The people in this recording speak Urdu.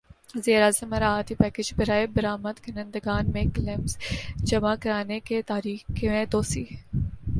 وزیر اعظم مراعاتی پیکج برائے برامد کنندگان میں کلیمز جمع کرانے کی تاریخ میں توسیع